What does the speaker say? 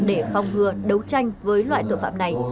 để phòng hừa đấu tranh với loại tội phạm này